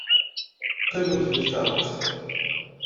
Qqimemt deg tkeṛṛust.